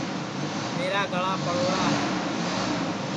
میرا گݪا پڑوڑا ہے